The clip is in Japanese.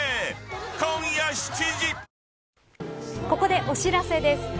ここでお知らせです。